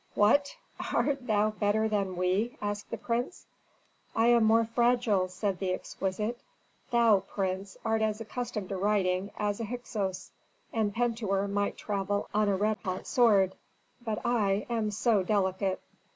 "What! Art thou better than we?" asked the prince. "I am more fragile," said the exquisite. "Thou, prince, art as accustomed to riding as a Hyksos, and Pentuer might travel on a red hot sword. But I am so delicate."